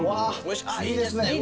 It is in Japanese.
いいですね。